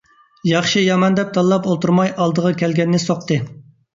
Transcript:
ياخشى - يامان دەپ تاللاپ ئولتۇرماي ئالدىغا كەلگەننى سوقتى.